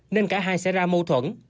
nên cả hai sẽ ra mâu thuẫn